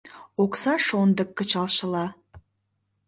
Окса шондык кычалшыла